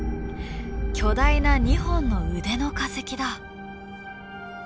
巨大な２本の腕の化石だ。